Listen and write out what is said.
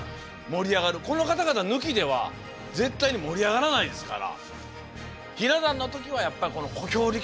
この方々抜きでは絶対に盛り上がらないですから。